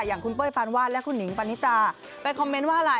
อย่างคุณเว้ยปานว่านและทุกคน